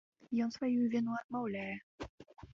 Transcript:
Ён сваю віну адмаўляе.